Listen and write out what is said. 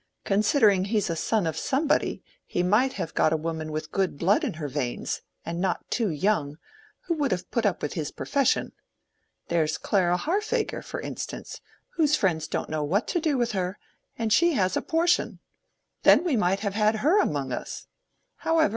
Considering he's a son of somebody, he might have got a woman with good blood in her veins, and not too young, who would have put up with his profession. There's Clara Harfager, for instance, whose friends don't know what to do with her; and she has a portion. Then we might have had her among us. However!